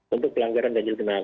untuk pelanggaran ganjil genap